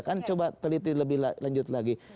kan coba teliti lebih lanjut lagi